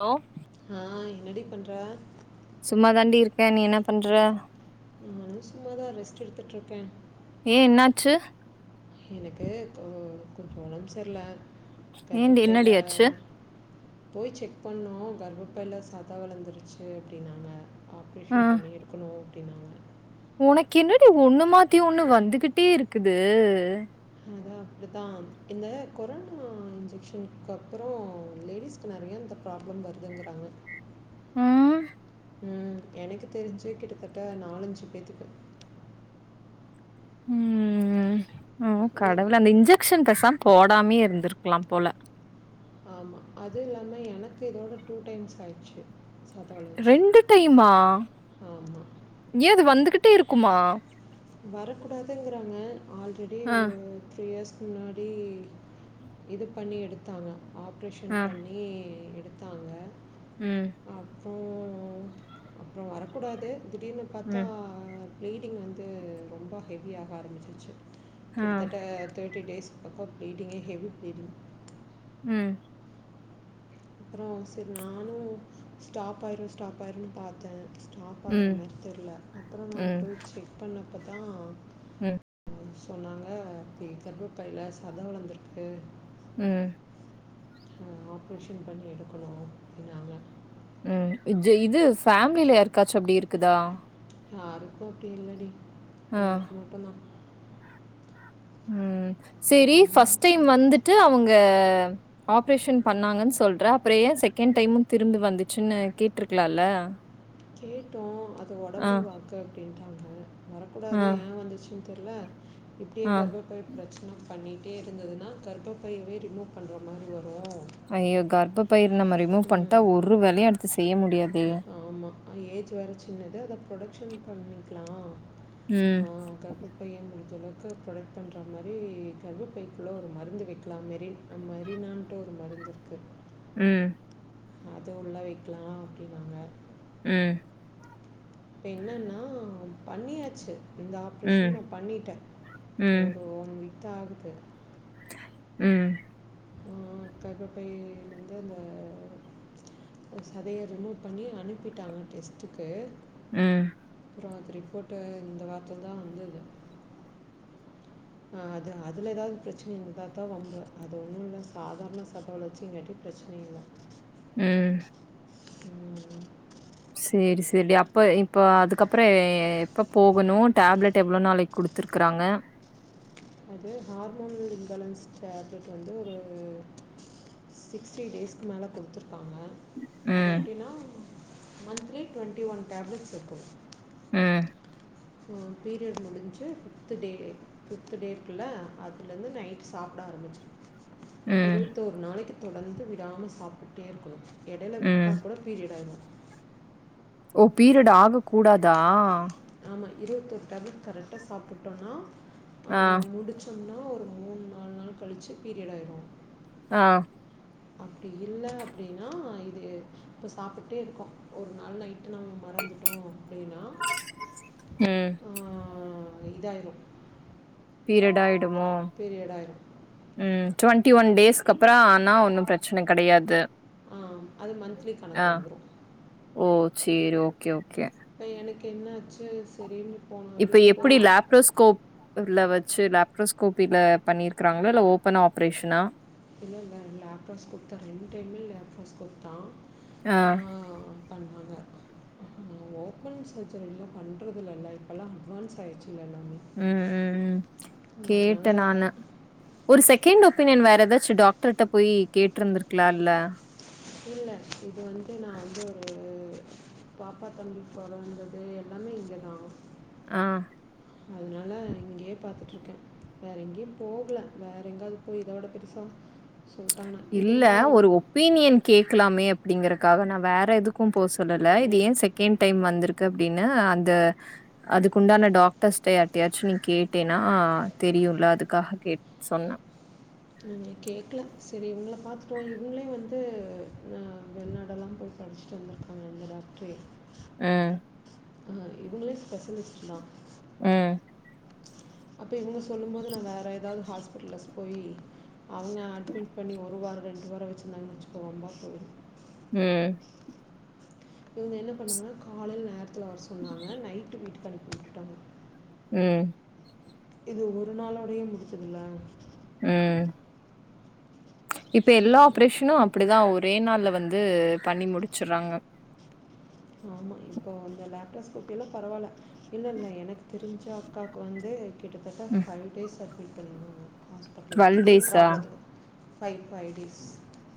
Hello? அ என்னடி பண்ற? சும்மா தாண்டி இருக்கே நீ என்ன பண்ற? நானு சும்மாதா ரெஸ்ட் எடுத்துட்ருக்கே. ஏ என்னாச்சு? எனக்கு இப்பொ கொஞ்சொ ஒடம் செர்ல. ஏன்டி கர்பப்பைல என்னடி ஆச்சு போய் செக் பண்ணோ கர்பப்பைல சத வளந்துருச்சு அப்டின்னாங்க ஆப்ரேஷன் பண்ணி எடு க்குணு அப்டின்னாங்க. உனக்கென்னடி ஒன்னு மாத்தி ஒன்னு வந்துகிட்டே இருக்குது. அதுத்தா இந்த கொரோனா இன்ஜெக்ஷன்க்கப்புறோ லேடிஸ் க்கு நெறையா இந்த ப்ராப்ளம் வருதுங்குறாங்க. ம். ம் எனக்கு தெரிஞ்சே கிட்டத்தட்ட நாலஞ்சு பேத்துக்கு. ம் ம் ஏ கடவுளே அந்த இன்ஜெக்ஷன் பெசாம் போடாம்யே இர்ந்திருக்லாம் போல. ஆமா அது இல்லாம எனக்கு இதோட டூ டைம்ஸ் ஆய்ட்ச்சு. ரெண்டு டைமா ஆமா. ஏ அது வந்துகிட்டே இருக்குமா? வரக்கூடாதுங்றாங்க ஆல்ரெ அ. திரீ இயஸ்க் முன்னாடி இது பண்ணி எடுத்தாங்க ஆப்ரேஷன் ஆ பண்ணி ணி எடுத்தாங்க. ம். அப்றோ அப்றோ வரக்கூடாது திடீர்னு பாத்தா ம் ப்ளீடிங் வந் து ரொம்ப ஹெவியாக ஆரம்பிச்சிட்ச்சு ஆ கிட்டதட்ட தேட்டி டேஸ் பக்கோ ப்ளீடிங்கே ஹேவி ப்ளீடிங். ம். அப்றோ செரி நானூ ஸ்டாப் ஆயிரு ஸ்டாப் ஆயிருனு பாத்தே. ஸ்டாப் ஆகுற ம் மார் தெர்ல அப்புறோ நா ம் போய்ட்டு செக் பண்ணப்பத்தா ம். சொன்னாங்க த்தி கர்பப்பைல சத வளந்துருக்கு. ம். அ ஆப்ரேஷன் பண்ணி எடுக்கணு அப்டினாங்க. ம் இது இது ஃபேம்லில யார்க்காச்சு அப்டி இருக்குதா? யாருக்கு அப்டி இல்லடி ஆ எனக் மட்டுந்தா. ம் சேரி அம்மா ஃபஸ்ட் டைம் சொல் வந்துட்டு அவுங்க ஆப்ரேஷன் பண்ணாங்கன் சொல்ற அப்புற ஏ செகண்ட் டைமு திரும்பி வந்துச்சுன்னு கேட்ருக்லால்ல. அ கேட்டோ அது ஒடம்பு வாக்கு அப்டின்ட்டாங்க ஆ, வரக்கூடாது ஏய வந்துச் தெர்ல இப்டியே ஆ. கர்பப்பை ப்ரச்ன பண்ணிட்டே இருந்துதுன்னா கர்ப்பப்பையவே ரிமூவ் பண்ற மாறி வரூ ஐயயோ கர்ப்ப்பை நம்ம ரிமூவ் பண்ட்டா ஒரு வேலயு அடுத்து செய்ய முடியாதே ஆமா ஏஜ் வேற சின்னது அத ப்ரொடக்க்ஷன் பண்ணிக்லா ம், ஆ கர்ப்பப் இப்பயே முடிஞ்ச அளவுக்கு ப்ரொடக்ட் பண்ற மாறி கர்பப்பபைக்குள்ள ஒரு மருந்து வெக்லாம் மேரி அம்மரினான்ட்டு ஒரு மருந்துருக்கு ம் அது உள்ள வைக்லா அப்டின்னாங்க ம் இப்ப என்னன்னா பண்ணியாச்சி இந்த ம், ஆப்ரேஷன் நா பண்ணிட்ட ம் இப்போ ஒன் வீக்தா ஆகுது ம் ஆ கர்பப்பை வந்து அந்த சதய ரிமூவ் பண்ணி அனுப்பிட்டாங்க டெஸ்ட்டுக்கு ம் அப்றோ அது ரிப்போர்ட்டு இந்த வார்த்ல தா வந்துது ஆ அது அதுல ஏதாது ப்ரச்ன வந்தா தா வம்பு அது ஒன்னு இல்ல சாதாரண சத வளர்ச்சிங்கட்டிப் ப்ரச்ன இல்ல ம் ம் ம் சேரி சேரி டி அப்ப இப்ப அதுக்கப்பறோ எ எப்ப போகணு டேப்லட் எவ்ள நாளைக் குடுத் த்ருக்றாங்க அது ஹார்மோனல் இம்பேலன்ஸ் டேப்லட் வந்து ஒரு சிக்ஸ்ட்டீ டேஸ்க்கு மேல குடுத்ர் ப்பாங்க அது ம், எப்டின்னா மந்த்லி ட்வொண்ட்டி ஒன் டேப்லட்ஸ் இர்க்கும் ம் ம் பீரியட் முடிஞ்சி ஃபிஃப்த்து டே ஃபிஃப்த்து டே க்குல அதுலந்து நைட் சாப்ட ஆரம்பிச்ச ம், இருவத்தோர் நாளைக்கு தொடர்ந்து விடாம சாப்டுட்டே இருக்கண்ணு எடைல ம். விட்டாக் கூட பீரியட் ஆய்டூ ஓ பீரியட் ஆக கூடாதா ஆமா இருவத்தோர் டேப்லட் கரெட்டா சாப்டுட்டோன்னா ஆ முடுச் சொன்னா ஒரு மூண் நால் நாள் கழுச்சு பீரியட் ஆயிருவோ ஆ அப்டி இல்ல அப்டின்னா இது இப்போ சாப்புட்டே இருக்கோ ஒரு நாள் நைட்டு நம்ம மறந்துட்டோ அப்டின்னா ம் அ அ இதாயிரு பீரியட் ஆயிடுமோ பீரியட் ஆயிரு ம் ட்வெண்ட்டி ஒன் டேஸ்க அப்பற ஆனா ஒன்னு பிரச்சன கிடையாது அ அது மந்த்லி கணக்கு வந்துடு ஓ சேரி ஓகே ஓகே இப்ப எனக்கு என்னாச்சு சரின்னு போனோ இப்ப எப்டி லாப்ரஸ்கோப் உள்ள வச்சு லாப்ரஸ்கோப்பில பண்ணியிருக்குறாங்களா இல்ல ஓப்பன் ஆப்ரேஷனா இல்ல இல்ல லாப்ரஸ்கோப் தா ரெண்டு டைமே லாப்ரஸ்கோப் தா ஆ பண்வாங்க ஓப்பன் சர்ஜரியெல்லா பண்ணுறதுலல்லல இப்பல்லா அட்வான்ஸ் ஆயிடுச்சுல்ல எல்லாமே ம் ம் ம் அதனால கேட்டே நானு ஒரு செகண்ட் ஒப்பீனியன் வேற எதாச்சு டாக்டர்கிட்ட போயி கேட்ருந்துருக்கலா இல்ல இல்ல இது வந்து நா வந்து ஒரு பாப்பா தம்பி பொறந்தது எல்லாமே இங்கேதா ஆ அதுனால இங்கேயே பாத்துட்ருக்கே வேற எங்கயு போகல வேற எங்கயாவது போய் இதோட பெருசா சொல்ட்டாங்கன்னா இதுன்னா ஓ வீனியன் கேக்கலாமே அப்டிங்குறக்காக நா வேற எதுக்கும் போ சொல்லல இது ஓ ஏ செகெண்ட் டைம் வந்துருக் க்கு அப்டின்னு அந்த அதுக்குண்டான டாக்டர்ஸ்ட்ட யார்ட்டாச்சு நீ கேட்டேன்னா தெரியும்ல அதுக்காக கேட் சொன்னா நீங்க கேக்கல செரி இவுங்கள பாத்துட்டுவோ இவுங்களே வந்து ந வெளிநாடெல்லாம் போய் படிச்சு தந்திருக்காங்க இந்த டாக்ட்ரே அ ஆ இவுங்களே ஸ்பெஷலிஸ்டுதா ம் அப்ப இவுங்க சொல்லும் போது நா வேற எதாவது ஹாஸ்பிட்டலஸ் போயி அவுங்க அட்மிட் பண்ணி ஒரு வாரோ ரெண்டு வாரோ வச்சுருந்தாங்கன்னு வச்சுக்கோங்க வம்பா போயிடு ம் இவுங்க என்ன பண்ணாங்கன்னா காலையில நேரத்துல வர சொன்னாங்க நைட்டு வீட்டுக்கு அனுப்பி உட்டுட்டாங்க ம் இது ஒரு நாளோடேயே முடிச்சதுல ம் இப்ப எல்லா ஆப்ரேஷனு அப் அப்டி தா ஒரே நாள்ல வந்து பண்ணி முடிச்சுர்றாங்க ஆமா இப்போ அந்த லேப்டாப் கூப்டில பரவால்ல இல்லெல்ல எனக்கு தெரிஞ்ச அக்காவுக்கு வந்து கிட்டத்தட்ட ம். ஃபைவ் டேஸ் அட்மிட் பண்ணி இருந்தோ ஹாஸ்பிட்டல்ல இதே டேஸா? ப்ராப்ளத்துக்கு five five days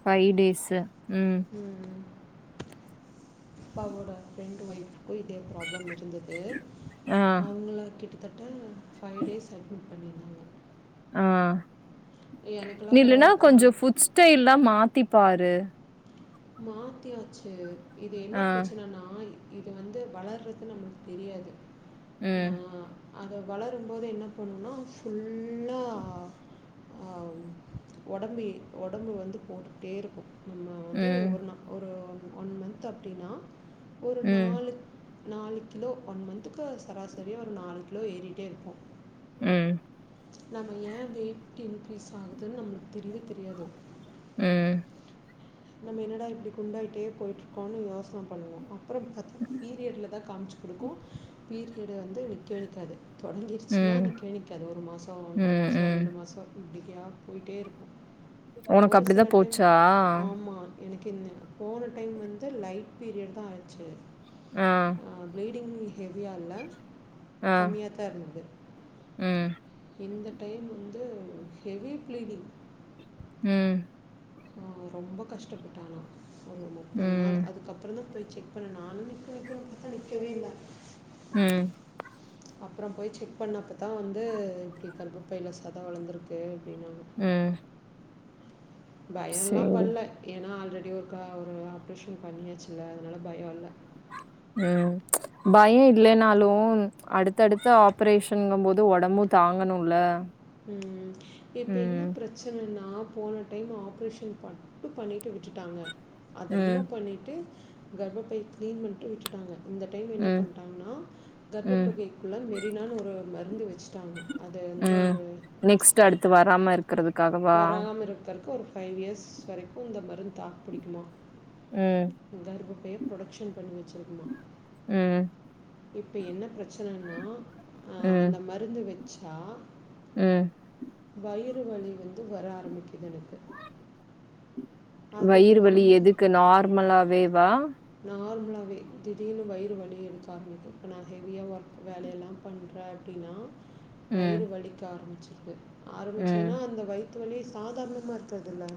five days ம் ம் ம் இப்போ அவுங்களோட ஃப்ரெண்ட் ஒய்ஃபுக்கு இதே ப்ராப்ளம் இருந்துது ஆ. அவுங்கள கிட்டத்தட்ட ஃபைவ் டேஸ் அட்மிட் பண்ணியிருந்தாங்க ஆ நீ எனக்கெல்லாம் இல்லனா பரவாயில்ல கால் கொஞ்சோ ஃபுட் ஸ்டைல்லா மாத்திப்பாரு மாத்தியாச்சு இது ஆ. என்ன ப்ரச்சுனனா இது வந்து வளர்றது நம்மளுக்கு தெரியாது ம் அத வளரும் போதே என்ன பண்ணுனா ஃபுல்லா ஒடம்பி ஒடம்பு வந்து போட்டுட்டே இருக்கு நம்ம ந்து ம். ஒரு நா ஒரு ஒன் மன்த் அப்டின்னா ஒரு ம். நாலு நாலு கிலோ ஒன் மன்த்துக்கு சராசரியா ஒரு நாலு கிலோ ஏறிட்டே இருப்போ ம் நம்ம ஏ வெயிட் இன்க்ரீஸ் ஆகுதுன்னு நம்ளுக்கு தெரிவே தெரியாது ம் நம்ம என்னடா இப்டி குண்டாயிட்டே போய்ட்ருக்கோன் யோசன பண்ணுவோ அப்பறோ பாத்தா பீரியட்ல தா காம்ச்சு குடுக்கு பீரியடு வந்து நிக்கவே நிக்காது தொடங்கிருச்சின்னா ம் நிக்கவே நிக்காது ஒரு மாசோ ஒன்ற ம் மாசோ ம் ரெண்டு மாசோ இப்டிக்கா போய்ட்டேருக்கு உனக்கு ஒரு அப்டிதா சில டைம் போச்சா மா எனக்கு என்ன போன டைம் வந்து லைட் பீரியட் தா ஆச்சு ஆ ப்ளீடிங் ஹெவியால்ல ஆ கம்மியாத்தாருந்தது ம் இந்த டைம் வந்து ஹெவி ப்ளீடிங் ம் நானு ரொம்ப கஷ்டப்பட்டே ஆனா ஒரு முப்பது நாள் ம் அதுக்கப்றோ தா போய் செக் அப்றோ நானு நிக்கு நிக்குன் பாத்தா நிக்கவேல்ல ம் அப்றோ போய் செக் பண்ணப்ப தா வந்து இப்டி கர்பப்பைல சத வளந்துரு க்கு அப்டினாங்க ம் பயோல்ல சேரி பட்ல ஏனா ஆல்ரெடி ஒருக்கா ஒரு ஆப்ரேஷன் பண்ணியாச்சுல அதனால பயோல்ல ம் பயோ இல்லேன்னாலு அடுத்தடுத்த ஆப்ரேஷன்ங்கு போது ஒடம்பு தாங்கணுல ம் இப்ப என்ன ம் ப்ர ச்சனன்னா போன டைம் ஆப்ரேஷன் பட்டு பண்ணிட்டு விட்டுட்டாங்க அத ம் ரிமூவ் பண்ணிட்டு கர்பப்பை க்ளீன் பண்ட்டு விட்டுட்டாங்க அந்த டைம் என்ன ம் பண்ட்டாங்கன்னா கர்ப்ப ம் புகைக்குள்ள மெரினான்னு ஒரு மருந்து வச்சுட்டாங்க அத வந்து ஒரு நெக்ஸ்ட்டு அடுத்து வரமார் க்குறதுக்காகவு வராம இருக்கற்க்கு ஒரு ஃபைவ் இயர்ஸ் வரைக்கு இந்த மருந்து தாக் புடிக்குமா ம் கர்பப்பையே புரொடக்ஷன் பண்ணி வச்சிருக்குமா ம் இப்ப என்ன பிரச்சனன்னா ஆ ம் அந்த மருந்து வெச்சா ம் வயிறு வலி வந்து வர ஆரம்மிக்குது என அது வயிறு வலி வந்து எதுக்கு நார்மலாவே வா நார்மலாவே திடீர்னு வயிறு வலி எடுக்க ஆரம்மிக்கு இப்ப நா ஹெவியா ஒர்க் வேலையெல்லா பண்றே அப்டின்னா ம் வயிறு வலிக்க ஆரம்பிச்சிருது ம் ஆரம்பிச்சதுன்னா அந்த வய் த்து வலி சாதாரணமா இருக்கற்துல்ல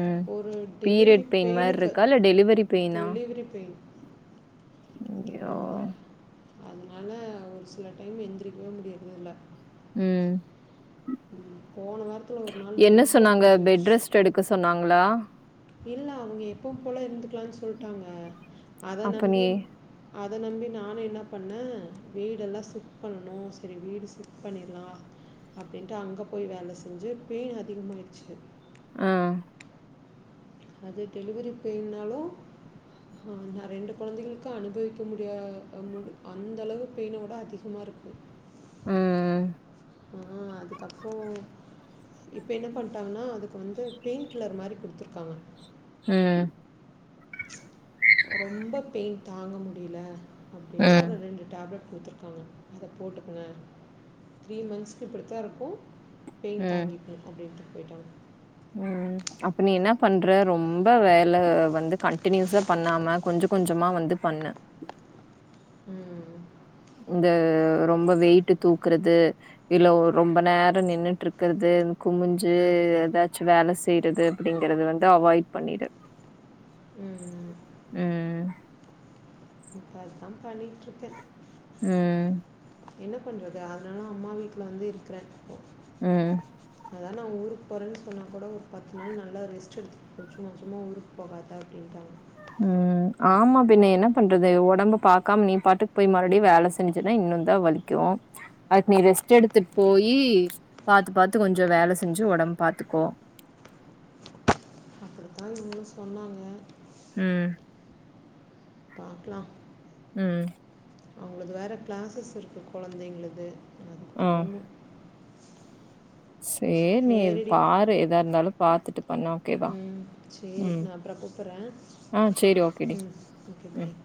ம் ஒரு டெலிவரி பீரியட் பெயின் மாரி பெய்னுக்கு இருக்கா? இல்ல டெலிவரி டெலிவரி பெய்ன் அய்யோ அதனால ஒரு சில டைம் எந்திரிக்கவே முடியறதுல்ல ம் போன வாரத்துல ஒர் நாள் நைட்ல புடிச்சுருச்சு செடுக்க சொன்னாங்ளா இல்ல அவுங்க எப்பவு போல இருந்துக்கலான்னு சொல்ட்டாங்க அத அப்ப நீ நம்பி அத நம்பி நானு என்ன பண்ணே வீடெல்லா சிக் பண்ணு செரி வீடு சிக் பண்ணிடலா அப்டின்ட்டு அங்க போய் வேல செஞ்சு பெயின் அதிகமாகாயிடுச்சு ஆ அது டெலிவரி பெய்ன்னாலு ஆ நா ரெண்டு கொழந்தைகளுக்கு அனுபவிக்க முடியா அம்மொன்ட்டு அந்தளவு பெயினோட அதிகமாக இருக்கு ஆ அ உம் அதுக்கப்புறோ இப்ப என்ன பண்ணிட்டாங்கென்னா அதுக்கு வந்து பெயிண் கில்லர் மாரி குடுத்துருக்காங்க ஆ ரொம்ப பெயின் தாங்க முடியில அப்டின்னா ஒரு ம், ரெண்டு டேப்லெட் குடுத்துருக்காங்க அத போட்டுங்க த்ரீ மந்ஸ்க்கு இப்டித்தா இருக்கு பெயின் தாங்கிட்டு அப்டின்ட்டு போய்டிட்டாங்க உம் அப்ப நீ என்ன பண்ற ரொம்ப வேல வந்து கண்டினியூஸா பண்ணாம கொஞ்சோ கொஞ்சமா வந்து பண்ணு உம் ம் இந்த ரொம்ப வெயிட்டு தூக்குறது இல்ல ஓ ரொம்ப நேரோ நின்றுட்டு இருக்குறது குமிஞ்சு ஏதாச்சு வேல செய்யுறது அப்டிங்கறத வந்து அவாய்ட் பண்ணிடு ம் உம் உம் இப்ப அதா பண்ணிட்டு இருக்கே உம் என்ன பண்டறது அதனால தா அம்மா வீட்டுல வந்து இருக்கறே ஹ அதா நா ஊருக்கு போறேன்னு சொன்னா கூட ஒரு பத்து நாள் நல்லா ரெஸ்ட் எடுத் தேக்னா சும்மா ஊருக்கு போகாத அப்ட்டின்டாங்க உம் ஆமா பின்ன என்ன பண்றது ஒடம்ப பாக்காம நீ பாட்டுக்கு போய் மறுடியு வேல செஞ்சுன்னா இன்னு தா வலி க்கு அதுக்கு நீ ரெஸ்ட் எடுத்து போயி பாத்து பாத்து கொஞ்சோ வேல செஞ்சு ஒடம் பாத்தக்கோ அப்டித்தா இவுங்கலு சொன்னாங்க உம் பாக்லா உம் அவுங்களுக்கு வேற கிளாஸஸ் இருக்கு கொழந்தைங்களுது அது ஆ போணு சேரி நீ சரிடி பாரு எதா இருந்தாலு பாத்துட்டு பண்ணு ஓகேவா உம் சேரி ம் நா அப்றோ கூப்புரே ஆ சேரி ஓகேடி உம் ஓகே ம் பாய்